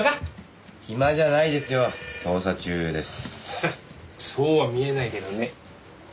ハッそうは見えないけどね。